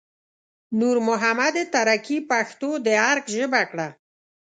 نور محمد تره کي پښتو د ارګ ژبه کړه